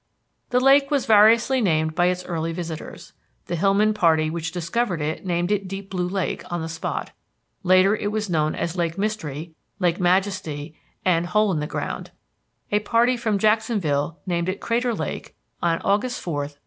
The lake was variously named by its early visitors. The Hillman party which discovered it named it Deep Blue Lake on the spot. Later it was known as Lake Mystery, Lake Majesty, and Hole in the Ground. A party from Jacksonville named it Crater Lake on August 4, 1869.